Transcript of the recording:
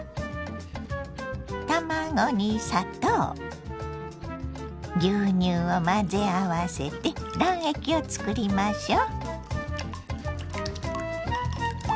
卵に砂糖牛乳を混ぜ合わせて卵液を作りましょ。